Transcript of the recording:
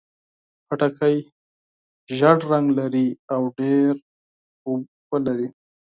خټکی ژېړ رنګ لري او ډېر اوبه لري.